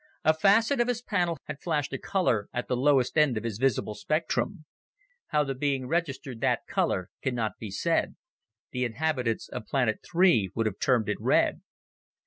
A facet of his panel had flashed a color at the lowest end of his visible spectrum. How the being registered that color cannot be said; the inhabitants of Planet III would have termed it red.